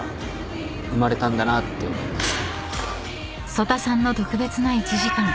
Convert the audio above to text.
［曽田さんの特別な１時間］